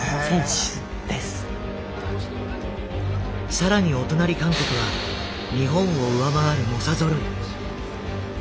更にお隣・韓国は日本を上回る猛者ぞろい。